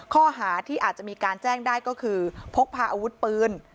ข้อหาที่อาจจะมีการแจ้งได้ก็คือพกพาอาวุธปืน